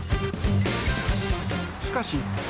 しかし。